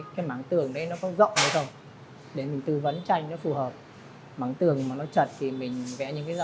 cái mảng tường đấy nó có rộng hay không để mình tư vấn tranh nó phù hợp mảng tường mà nó chật thì mình vẽ những cái gi